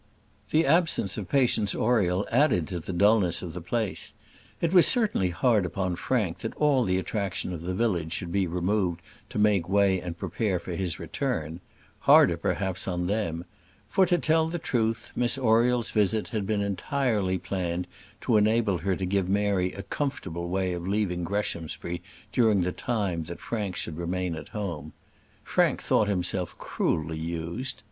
The absence of Patience Oriel added to the dullness of the place. It was certainly hard upon Frank that all the attraction of the village should be removed to make way and prepare for his return harder, perhaps, on them; for, to tell the truth, Miss Oriel's visit had been entirely planned to enable her to give Mary a comfortable way of leaving Greshamsbury during the time that Frank should remain at home. Frank thought himself cruelly used.